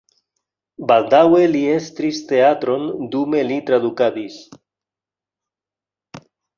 Baldaŭe li estris teatron, dume li tradukadis.